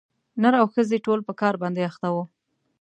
نر او ښځي ټول په کار باندي اخته وه